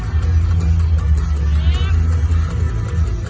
หายล้อยมีสุดยอดมีสุดยอดมีสุดยอด